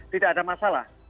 tidak ada masalah